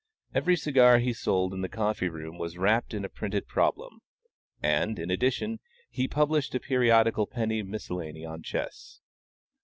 Every cigar he sold in the coffee room was wrapt in a printed problem; and, in addition, he published a periodical penny miscellany on chess.